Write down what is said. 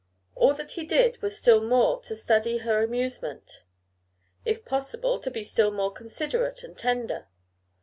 All that he did was still more to study her amusement; if possible, to be still more considerate and tender.